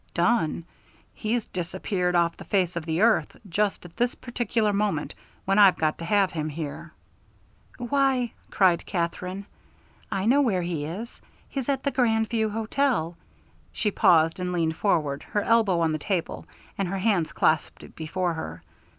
"Done? He's disappeared off the face of the earth just at this particular moment when I've got to have him here." "Why," cried Katherine, "I know where he is. He's at the Grand View Hotel " she paused and leaned forward, her elbows on the table and her hands clasped before her.